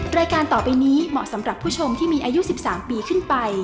รายการต่อไปนี้เหมาะสำหรับผู้ชมที่มีอายุ๑๓ปีขึ้นไป